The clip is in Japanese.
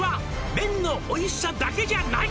「麺のおいしさだけじゃない！」